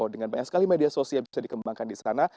dengan banyak sekali media sosial bisa dikembangkan disana